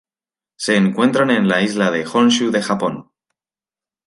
Se encuentran en la isla de Honshu de Japón.